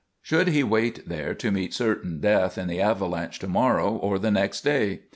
"] Should he wait there to meet certain death in the avalanche to morrow or the nest day?